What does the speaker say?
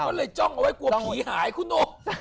ก็เลยจ้องเอาไว้กลัวผีหายคุณหนุ่ม